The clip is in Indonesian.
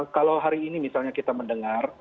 kalau hari ini misalnya kita mendengar